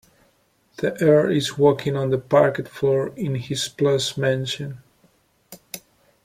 The earl is walking on the parquet floor in his plush mansion.